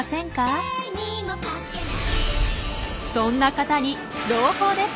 そんな方に朗報です。